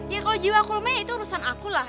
ya kalau jiwa aku lumayan ya itu urusan aku lah